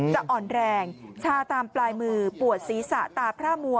อ่อนแรงชาตามปลายมือปวดศีรษะตาพระมัว